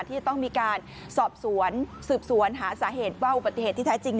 ที่จะต้องมีการสอบสวนสืบสวนหาสาเหตุว่าอุบัติเหตุที่แท้จริง